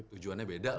tujuannya beda lah ya